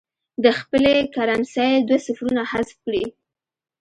د خپلې کرنسۍ دوه صفرونه حذف کړي.